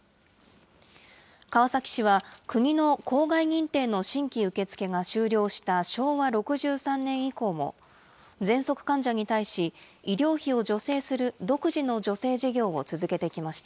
川崎市は、国の公害認定の新規受け付けが終了した昭和６３年以降も、ぜんそく患者に対し、医療費を助成する独自の助成事業を続けてきました。